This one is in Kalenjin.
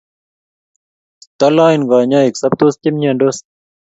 Toloen konyoik, sobtos che miandos